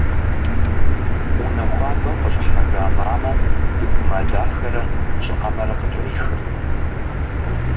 Унэ хуабэм къыщӏыхьэжа мамэ дыхумэ дахэрэ щӏыӏэмэрэ къыкӏэрихырт.